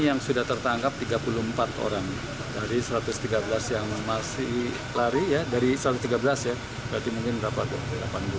yang sudah tertangkap tiga puluh empat orang dari satu ratus tiga belas yang masih lari ya dari satu ratus tiga belas ya berarti mungkin berapa